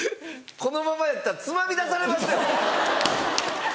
・このままやったらつまみ出されますよ。